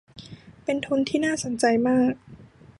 เป็นทุนที่น่าสนใจมาก